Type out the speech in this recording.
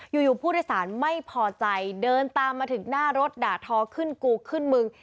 อยู่ผู้โดยสารไม่พอใจเดินตามมาถึงหน้ารถด่าทอขึ้นกูขึ้นมึง